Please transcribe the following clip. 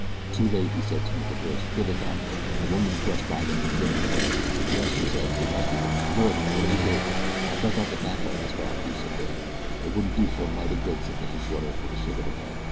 "Too late," he said, turning to Bridge. "Here they come!" The woman brushed by them and peered up the road. "Yes," she said, "it must be them. Lordy! What'll we do?" "I'll duck out the back way, that's what I'll do," said Billy. "It wouldn't do a mite of good," said Mrs. Shorter, with a shake of her head.